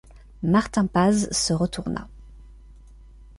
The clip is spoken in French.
Martin Paz se retourna.